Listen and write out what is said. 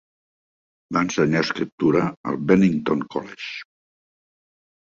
Va ensenyar escriptura al Bennington College.